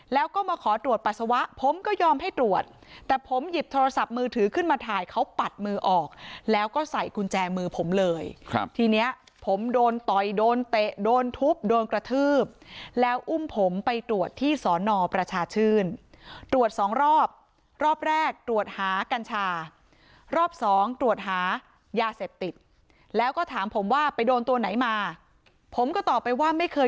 แล้วก็มาขอตรวจปัสสาวะผมก็ยอมให้ตรวจแต่ผมหยิบโทรศัพท์มือถือขึ้นมาถ่ายเขาปัดมือออกแล้วก็ใส่กุญแจมือผมเลยครับทีเนี้ยผมโดนต่อยโดนเตะโดนทุบโดนกระทืบแล้วอุ้มผมไปตรวจที่สอนอประชาชื่นตรวจสองรอบรอบแรกตรวจหากัญชารอบสองตรวจหายาเสพติดแล้วก็ถามผมว่าไปโดนตัวไหนมาผมก็ตอบไปว่าไม่เคย